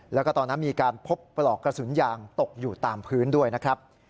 แล้วก็ตอนนั้นมีการพบปลอกกระสุนยางตกอยู่ตามพื้นด้วยนะครับ